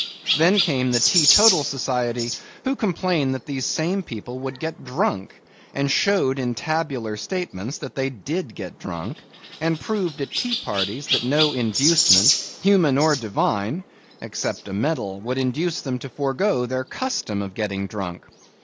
Then came the Teetotal Society, who complained that these same people would get drunk, and showed in tabular statements that they did get drunk, and proved at tea parties that no inducement, human or Divine (except a medal), would induce them to forego their custom of getting drunk.